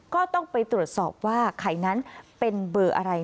ก็ต้องไปตรวจสอบว่าไข่นั้นเป็นเบอร์อะไร